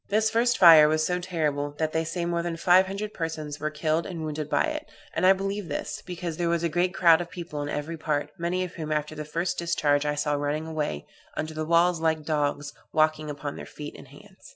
This first fire was so terrible, that they say more than five hundred persons were killed and wounded by it. And I believe this, because there was a great crowd of people in every part, many of whom, after the first discharge, I saw running away, under the walls, like dogs, walking upon their feet and hands.